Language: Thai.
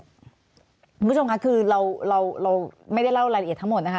คุณผู้ชมค่ะคือเราไม่ได้เล่ารายละเอียดทั้งหมดนะคะ